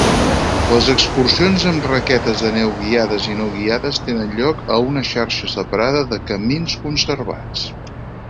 Les excursions amb raquetes de neu guiades i no guiades tenen lloc a una xarxa separada de camins conservats.